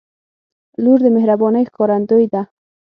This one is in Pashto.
• لور د مهربانۍ ښکارندوی ده.